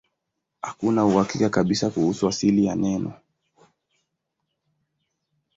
Hakuna uhakika kabisa kuhusu asili ya neno.